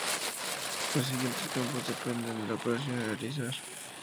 Los siguientes campos dependen de la operación a realizar.